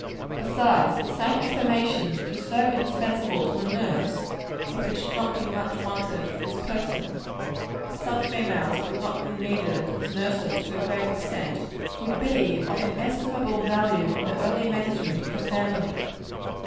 Besides, the same information which is so indispensable to a nurse, if it should not be much wanted for this purpose, (for some females would not be needed as nurses, to a very great extent,) would be of inestimable value in the early management of a family.